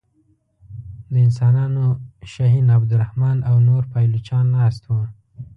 د انسانانو شهین عبدالرحمن او نور پایلوچان ناست وه.